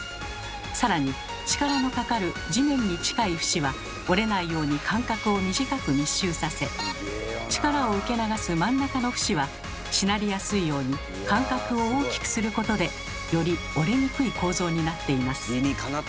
更に力のかかる「地面に近い節」は折れないように間隔を短く密集させ力を受け流す「真ん中の節」はしなりやすいように間隔を大きくすることでより折れにくい構造になっています。